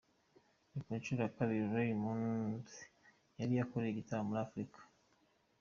Ni ku nshuro ya kabiri Raja Moorthy yari akoreye igitaramo muri Afurika.